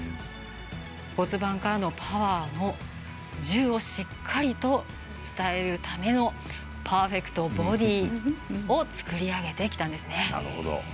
骨盤からのパワーも１０をしっかりと伝えるためのパーフェクトボディーを作り上げてきたんですね。